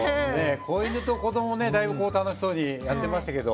子犬と子どもだいぶ楽しそうにやってましたけど。